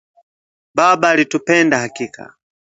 Baba alitupenda hakika